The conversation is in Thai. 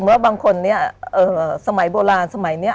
ว่าบางคนเนี่ยสมัยโบราณสมัยนี้